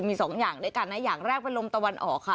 มีสองอย่างด้วยกันนะอย่างแรกเป็นลมตะวันออกค่ะ